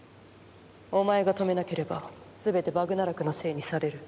お前が止めなければ全てバグナラクのせいにされる。